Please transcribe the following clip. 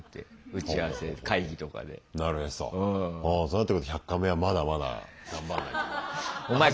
そうなってくると「１００カメ」はまだまだ頑張んないとな。